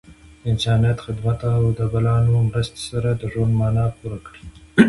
د انسانیت خدمت او د بلانو مرستې سره د ژوند معنا پوره کړئ.